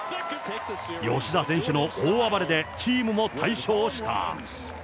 吉田選手の大暴れで、チームも快勝した。